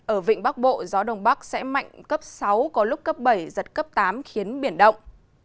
ở vịnh bắc bộ gió đông bắc sẽ mạnh cấp sáu có lúc cấp bảy giật cấp tám khiến biển động